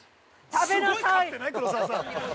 ◆食べなさい！